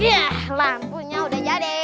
ya lampunya udah jadi